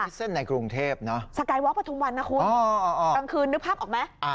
ที่เส้นในกรุงเทพเนอะ